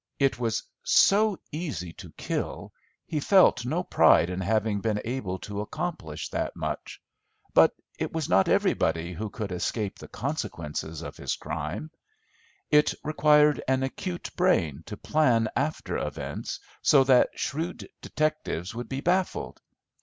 It was so easy to kill, he felt no pride in having been able to accomplish that much. But it was not everybody who could escape the consequences of his crime. It required an acute brain to plan after events so that shrewd detectives would be baffled.